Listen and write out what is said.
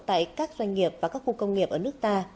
tại các doanh nghiệp và các khu công nghiệp ở nước ta